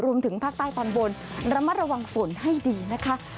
รวมถึงภาคใต้ตอนบนระมัดระวังฝนให้ดีนะคะ